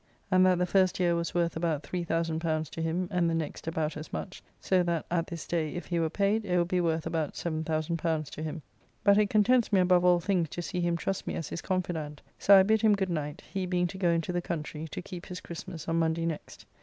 And that the first year was worth about L3000 to him, and the next about as much; so that at this day, if he were paid, it will be worth about L7000 to him. But it contents me above all things to see him trust me as his confidant: so I bid him good night, he being to go into the country, to keep his Christmas, on Monday next.